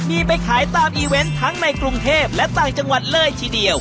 มีไปขายตามอีเวนต์ทั้งในกรุงเทพและต่างจังหวัดเลยทีเดียว